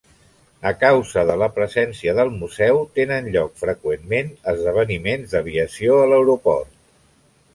A causa de la presència del museu, tenen lloc freqüentment esdeveniments d'aviació en l'aeroport.